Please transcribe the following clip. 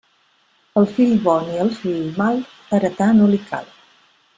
Al fill bo ni al fill mal, heretar no li cal.